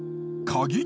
鍵？